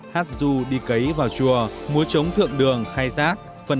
hát du đi cấy vào chùa múa trống thượng đường khai giác